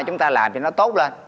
chúng ta làm cho nó tốt lên